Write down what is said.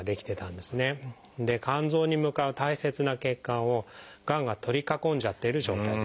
で肝臓に向かう大切な血管をがんが取り囲んじゃっている状態です。